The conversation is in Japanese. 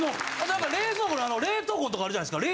ほんで冷蔵庫のあの冷凍庫のとこあるじゃないですか。